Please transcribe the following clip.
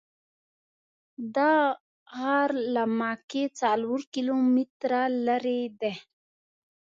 دا غر له مکې څلور کیلومتره لرې دی.